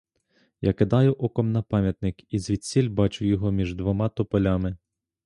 Я кидаю оком на пам'ятник і звідсіль бачу його між двома тополями.